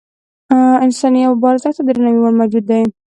انسان یو با ارزښته او د درناوي وړ موجود دی.